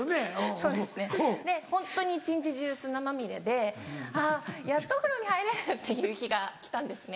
そうですねでホントに一日中砂まみれであっやっとお風呂に入れる！っていう日が来たんですね。